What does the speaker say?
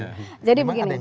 tadi kita berbicara tentang